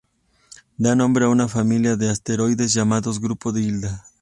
Da nombre a una familia de asteroides llamados grupo de Hilda